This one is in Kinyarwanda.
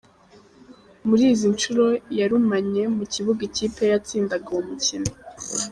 Muri izi nshuro yarumanye mu kibuga ikipe ye yatsindaga uwo mukino.